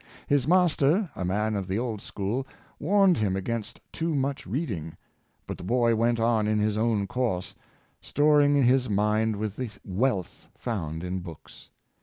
His master, a man of the old school, warned him against too much reading; but the boy went on in his own course, storing his mind with the wealth found in books.